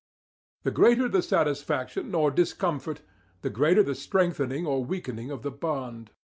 The greater the satisfaction or discomfort, the greater the strengthening or weakening of the bond.